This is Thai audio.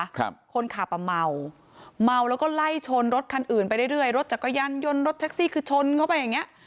ครับคนขับอ่ะเมาเมาแล้วก็ไล่ชนรถคันอื่นไปเรื่อยเรื่อยรถจักรยานยนต์รถแท็กซี่คือชนเข้าไปอย่างเงี้